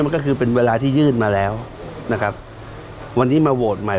มันก็คือเป็นเวลาที่ยื่นมาแล้วนะครับวันนี้มาโหวตใหม่